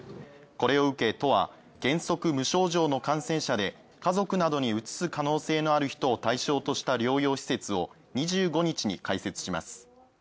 これを受け、都は原則無症状の感染者で家族などに移す可能性のある人を対象とした療養施設を２５日に開設します。